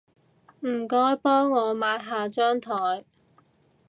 唔該幫我抹下張枱